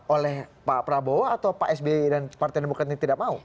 oleh pak prabowo atau pak sby dan partai demokrat yang tidak mau